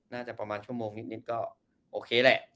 น่าจะประมาณชั่วโมงนิดก็โอเคแหละ